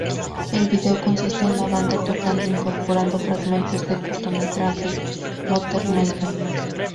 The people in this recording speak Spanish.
El video consiste en la banda tocando, incorporando fragmentos del cortometraje "Mother Maiden".